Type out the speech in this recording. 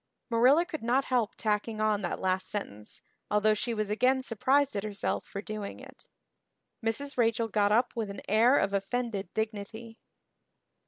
Marilla could not help tacking on that last sentence, although she was again surprised at herself for doing it. Mrs. Rachel got up with an air of offended dignity.